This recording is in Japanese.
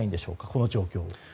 この状況を。